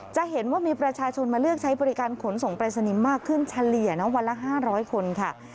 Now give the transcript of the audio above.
จะเห็นว่ามีประชาชนมาเลือกใช้บริการขนส่งปรายศนีย์มากขึ้นเฉลี่ยนะวันละ๕๐๐คนค่ะ